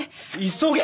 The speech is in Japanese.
急げ！